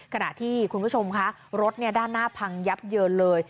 ขณะที่คุณผู้ชมคะรถด้านหน้าพังยับเยินเลย